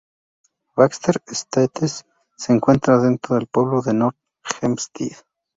Baxter Estates se encuentra dentro del pueblo de North Hempstead.